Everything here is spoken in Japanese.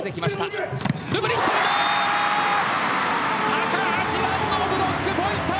高橋藍のブロックポイント！